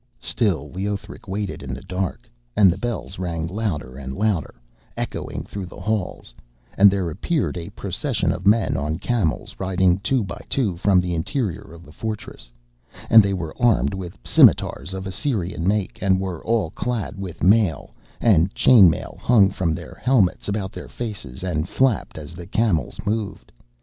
Still Leothric waited in the dark, and the bells rang louder and louder, echoing through the halls, and there appeared a procession of men on camels riding two by two from the interior of the fortress, and they were armed with scimitars of Assyrian make and were all clad with mail, and chain mail hung from their helmets about their faces, and flapped as the camels moved.